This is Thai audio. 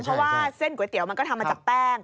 เพราะว่าเส้นก๋วยเตี๋ยวมันก็ทำมาจากแป้ง